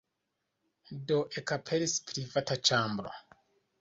Do, ekaperis privata ĉambro.